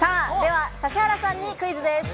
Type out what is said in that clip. では指原さんにクイズです。